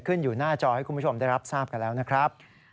อยู่หน้าจอให้คุณผู้ชมได้รับทราบกันแล้วนะครับ